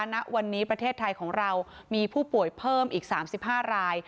ณวันนี้ประเทศไทยของเรามีผู้ป่วยเพิ่มอีก๓๕ราย